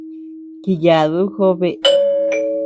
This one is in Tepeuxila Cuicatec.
Jiyadu jobe.